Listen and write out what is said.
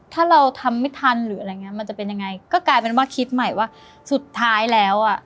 ถ้าเราทำไม่ทันมันจะเป็นยังไงก็กลายเป็นว่าคิดใหม่ว่าสุดท้ายแล้ว